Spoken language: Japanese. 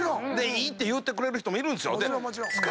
いいって言うてくれる人もいる。